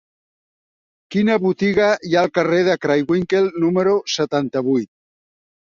Quina botiga hi ha al carrer de Craywinckel número setanta-vuit?